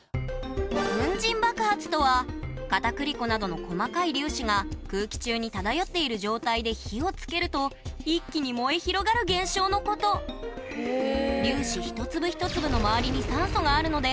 粉塵爆発とは片栗粉などの細かい粒子が空気中に漂っている状態で火をつけると一気に燃え広がる現象のこと酸素が大事ですね。